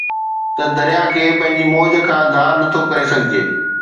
ته درياهه کي پنهنجي موج کان ڌار نٿو ڪري سگهجي